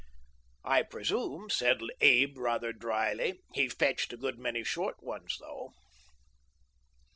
""' I presume, 'said Abe, rather dryly, 'he fetched a good many short ones though.'